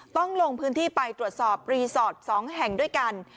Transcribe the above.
ต้องลงพื้นที่ไปตรวจสอบรีสอร์ท๒แห่งด้วยกัน